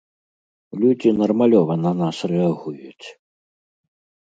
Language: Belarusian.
Людзі нармалёва на нас рэагуюць!